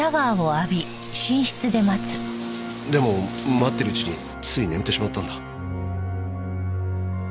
でも待ってるうちについ眠ってしまったんだ。